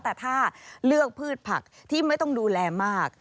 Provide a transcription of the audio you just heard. แต่ถ้าเลือกพืชผักที่ไม่ต้องดูแลมาก